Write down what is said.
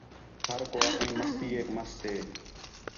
ہر کُو آپݨی مستی ایک مست ہے